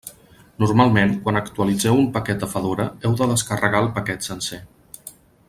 Normalment, quan actualitzeu un paquet a Fedora, heu de descarregar el paquet sencer.